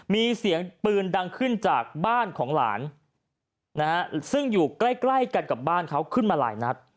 มีเสียงปืนดังขึ้นจากบ้านของหลานนะฮะซึ่งอยู่ใกล้กันกับบ้านเขาขึ้นมาหลายนัด